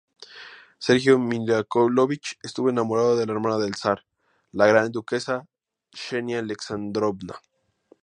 Sergio Mijáilovich estuvo enamorado de la hermana del Zar, la Gran Duquesa Xenia Aleksándrovna.